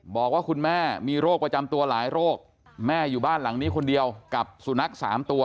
บอกว่าคุณแม่มีโรคประจำตัวหลายโรคแม่อยู่บ้านหลังนี้คนเดียวกับสุนัขสามตัว